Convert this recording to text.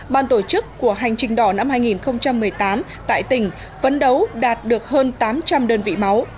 ban tổ chức của hành trình đỏ năm hai nghìn một mươi tám tại tỉnh phấn đấu đạt được hơn tám trăm linh đơn vị máu